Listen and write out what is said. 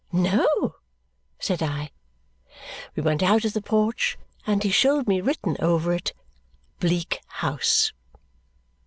"No!" said I. We went out of the porch and he showed me written over it, Bleak House.